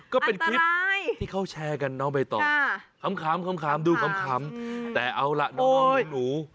ก็เป็นคลิปที่เขาแชร์กันน้องใบตองขำดูขำแต่เอาล่ะน้องหนู